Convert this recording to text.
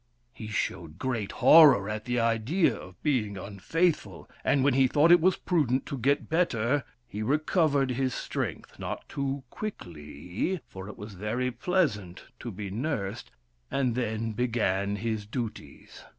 He showed great horror at the idea of being unfaithful, and when he thought it was prudent to get better he recovered his strength— not too quickly, for it was very pleasant to be nursed — and then began his duties.